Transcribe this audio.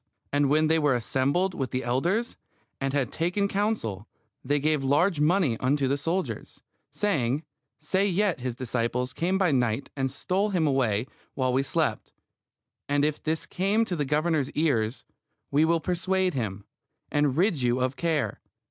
And when they were assembled with the elders, and had taken counsel, they gave large money unto the soldiers, saying, Say yet his disciples came by night and stole him away while we slept. And if this come to the governor's ears, we will persuade him, and rid you of care.